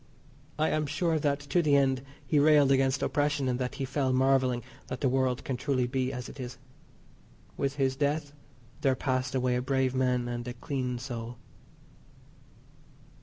I am sure that to the end he railed against oppression, and that he fell marvelling that the world can truly be as it is. With his death there passed away a brave man and a clean soul.